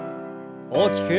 大きく。